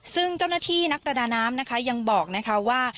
ซึ่งเจ้าหน้าที่นักประดาน้ำนะคะยังบอกนะคะว่า